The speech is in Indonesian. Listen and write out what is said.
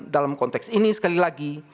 dalam konteks ini sekali lagi